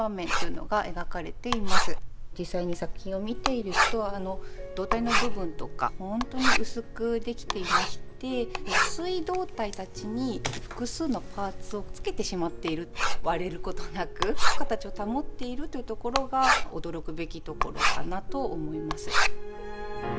実際に作品を見ているとあの胴体の部分とかほんとに薄く出来ていまして薄い胴体たちに複数のパーツをつけてしまっている割れることなく形を保っているというところが驚くべきところかなと思います。